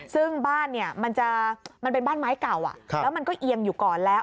ซึ่งบ้านเนี่ยมันจะมันเป็นบ้านไม้เก่าแล้วมันก็เอียงอยู่ก่อนแล้ว